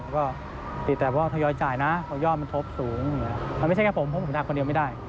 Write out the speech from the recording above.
ก็เป็นเรื่องในการพูดของผู้เสียหาย